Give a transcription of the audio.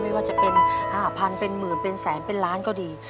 ไม่ว่าจะเป็น๕๐๐เป็นหมื่นเป็นแสนเป็นล้านก็ดี